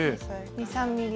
２３ｍｍ。